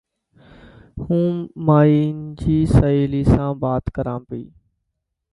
هون مائي سهيلي سان بات ڪران پئي.